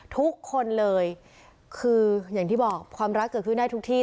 ทุกคนเลยคืออย่างที่บอกความรักเกิดขึ้นได้ทุกที่